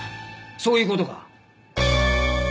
そういう事か？